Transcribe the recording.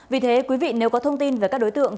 vì thế quý vị nếu có thông tin về các đối tượng